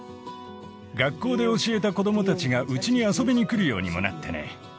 学校で教えた子どもたちがうちに遊びに来るようにもなってね。